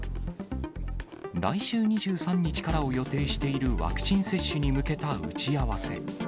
来週２３日からを予定しているワクチン接種に向けた打ち合わせ。